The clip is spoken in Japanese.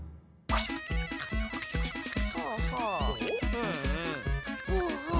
うんうん。